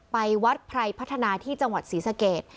วัดไพรพัฒนาที่จังหวัดศรีสเกต